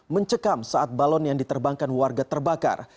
mencekam saat balon yang diterbangkan warga terbakar